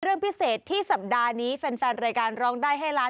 เรื่องพิเศษที่สัปดาห์นี้แฟนรายการร้องได้ให้ล้าน